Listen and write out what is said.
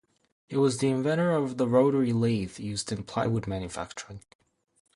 He was the inventor of the rotary lathe used in plywood manufacturing.